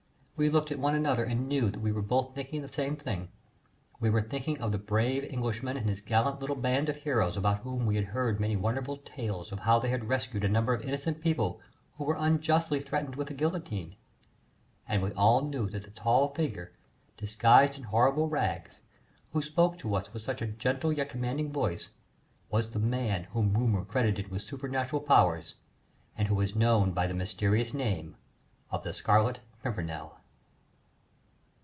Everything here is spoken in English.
We looked at one another and knew that we were both thinking of the same thing: we were thinking of the brave Englishman and his gallant little band of heroes about whom we had heard many wonderful tales of how they had rescued a number of innocent people who were unjustly threatened with the guillotine; and we all knew that the tall figure disguised in horrible rags, who spoke to us with such a gentle yet commanding voice, was the man whom rumour credited with supernatural powers, and who was known by the mysterious name of the Scarlet Pimpernel.